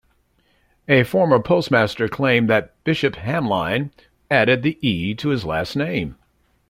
A former postmaster claimed that Bishop Hamline added the "E" to his last name.